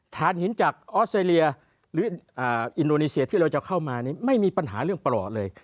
ฐานหินจากออสเตรเลียหรืออินโดนีเซียที่เราจะเข้ามาไม่มีปัญหาเรื่องประหลอดเลย